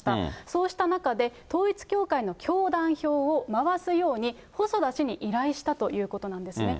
そうした中で、統一教会の教団票を回すように、細田氏に依頼したということなんですね。